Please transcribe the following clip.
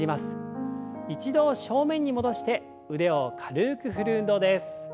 一度正面に戻して腕を軽く振る運動です。